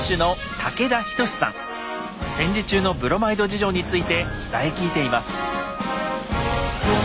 戦時中のブロマイド事情について伝え聞いています。